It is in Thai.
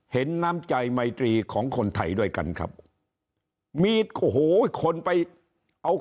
เห็นน้ำใจไมตรีของคนไทยด้วยกันครับมีโอ้โหคนไปเอา